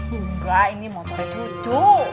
enggak ini motornya cucu